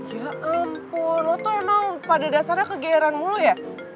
ya ampun lu tuh emang pada dasarnya kegeeran mulu ya